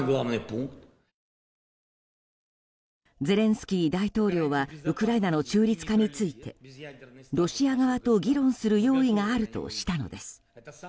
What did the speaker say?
ゼレンスキー大統領はウクライナの中立化についてロシア側と議論する用意があるとしたのです。